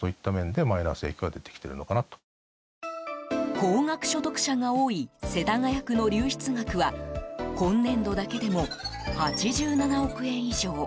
高額所得者が多い世田谷区の流出額は今年度だけでも８７億円以上。